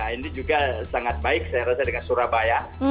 ini juga sangat baik saya rasa dengan surabaya